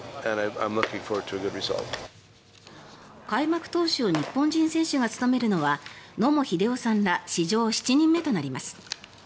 開幕投手を日本人選手が務めるのは野茂英雄さんら史上７人目となります。